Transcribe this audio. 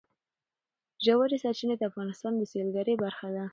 ژورې سرچینې د افغانستان د سیلګرۍ برخه ده.